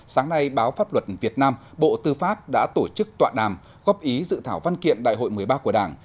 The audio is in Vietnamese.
sáng nay báo pháp luật việt nam bộ tư pháp đã tổ chức tọa đàm góp ý dự thảo văn kiện đại hội một mươi ba của đảng